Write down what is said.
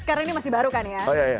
karena ini masih baru kan ya